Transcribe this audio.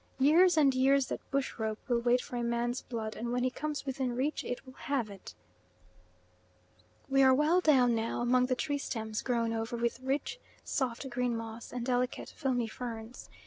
Years and years that bush rope will wait for a man's blood, and when he comes within reach it will have it. We are well down now among the tree stems grown over with rich soft green moss and delicate filmy ferns.